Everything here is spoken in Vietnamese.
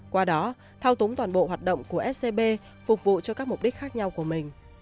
qua đó thao túng toàn bộ hoạt động của scb phục vụ cho các mục đích khác nhau của mình